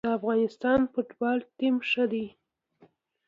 د افغانستان فوتبال ټیم ښه دی